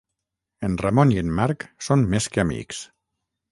En Ramon i en Marc són més que amics.